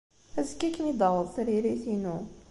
Azekka ad kem-id-taweḍ tririt-inu.